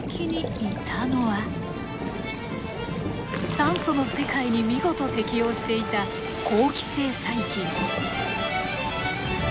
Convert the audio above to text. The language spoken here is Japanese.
酸素の世界に見事適応していた好気性細菌。